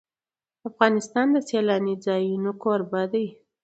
افغانستان د سیلانی ځایونه کوربه دی.